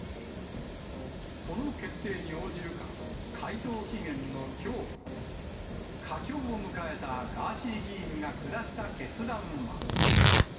この決定に応じるか、回答期限のきょう。佳境を迎えたガーシー議員が下した決断は。